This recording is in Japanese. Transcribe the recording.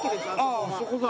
ああそこだ。